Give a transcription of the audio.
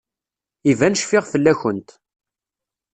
Iban cfiɣ fell-akent.